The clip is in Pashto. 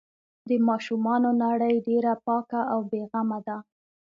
د ماشومانو نړۍ ډېره پاکه او بې غمه ده.